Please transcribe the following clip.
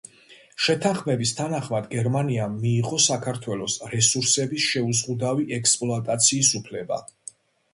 შეთანხმების თანახმად, გერმანიამ მიიღო საქართველოს რესურსების შეუზღუდავი ექსპლუატაციის უფლება.